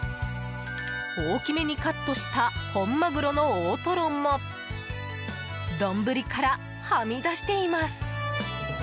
大きめにカットした本マグロの大トロも丼から、はみ出しています！